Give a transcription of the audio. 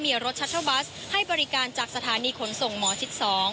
มีรถชัตเทอร์บัสให้บริการจากสถานีขนส่งหมอชิด๒